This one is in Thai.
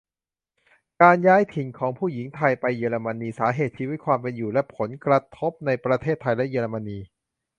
การย้ายถิ่นของผู้หญิงไทยไปเยอรมนี : สาเหตุ ชีวิตความเป็นอยู่ และผลกระทบในประเทศไทยและเยอรมนี.